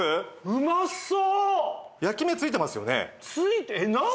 うまそう！